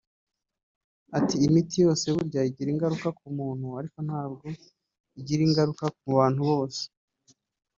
Ati “Imiti yose burya igira ingaruka ku muntu ariko ntabwo igira ingaruka ku bantu bose